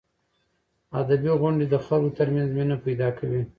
ادبي غونډې د خلکو ترمنځ مینه پیدا کوي.